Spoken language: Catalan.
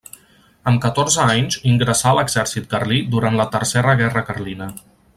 Amb catorze anys ingressà a l'exèrcit carlí durant la Tercera Guerra Carlina.